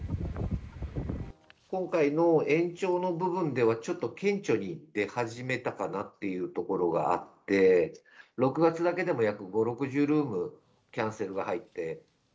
今回の延長の部分では、ちょっと顕著に出始めたかなっていうところがあって、６月だけでも約５、６０ルーム、キャンセルが入って。